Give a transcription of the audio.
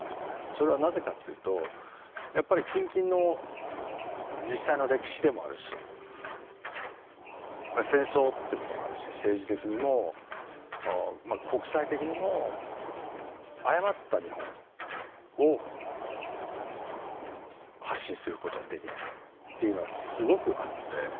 それはなぜかっていうとやっぱり近々の実際の歴史でもあるし戦争ということもあるし政治的にも国際的にも誤った日本を発信することはできないっていうのがすごくあって。